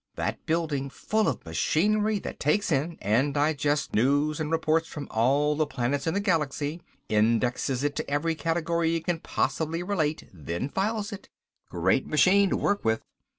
That building full of machinery that takes in and digests news and reports from all the planets in the galaxy, indexes it to every category it can possibly relate, then files it. Great machine to work with.